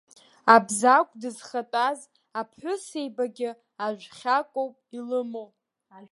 Абзагә дызхатәаз аԥҳәысеибагьы ажәхьакоуп илымоу.